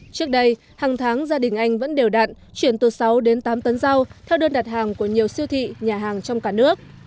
trước đây hàng tháng gia đình anh vẫn đều đặn chuyển từ sáu đến tám tấn rau theo đơn đặt hàng của nhiều siêu thị nhà hàng trong cả nước